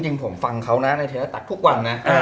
ผมจริงฟังเขาในเทลตักทุกวันนะ